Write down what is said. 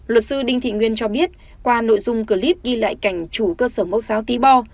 luật sư đinh thị nguyên cho biết qua nội dung clip ghi lại cảnh chủ cơ sở mẫu giáo tí bo